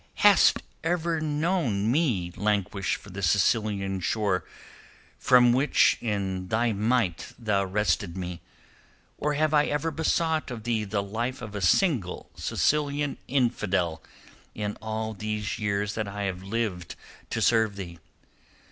Hast ever known me languish for the Sicilian shore from which in thy might thou wrested me, or have I ever besought of thee the life of a single Sicilian infidel in all these years that I have lived to serve thee?